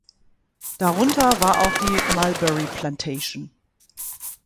Darunter war auch die "Mulberry Plantation".